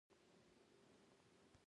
دا مېوه د ځیګر فعالیت ښه کوي.